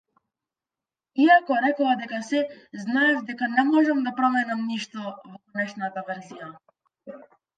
Иако рекоа дека се, знаев дека не можам да променам ништо во конечната верзија.